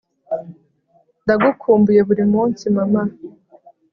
ndagukumbuye burimunsi, mama